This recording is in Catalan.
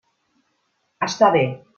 Està bé.